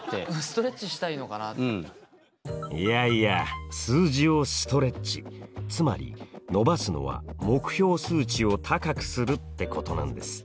いやいや数字をストレッチつまり伸ばすのは目標数値を高くするってことなんです。